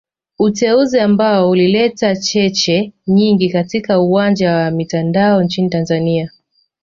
Uteuzi ambao ulileta cheche nyingi katika uwanja wa mitandao nchini Tanzania